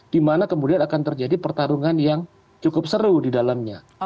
di mana kemudian akan terjadi pertarungan yang cukup seru di dalamnya